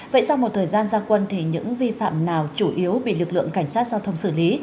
vậy sau một thời gian gia quân thì những vi phạm nào chủ yếu bị lực lượng cảnh sát giao thông xử lý